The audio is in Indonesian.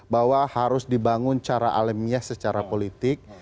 bahwa harus dibangun cara alamiah secara politik